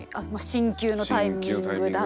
進級のタイミングとか。